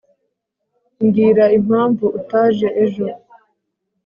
mbwira impamvu utaje ejo